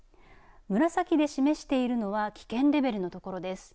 紫で示しているのは危険レベルのところです。